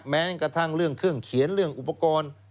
แม้กระทั่งเรื่องเครื่องเขียนเรื่องอุปกรณ์